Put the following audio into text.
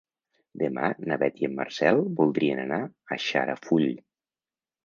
Demà na Beth i en Marcel voldrien anar a Xarafull.